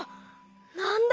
なんだ？